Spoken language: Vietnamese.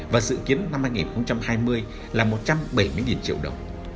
và dự kiến năm hai nghìn hai mươi là một trăm bảy mươi triệu đồng